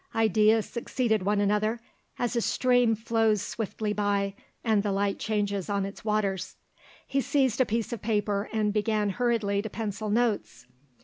Ideas succeeded one another, as a stream flows swiftly by and the light changes on its waters. He seized a piece of paper and began hurriedly to pencil notes.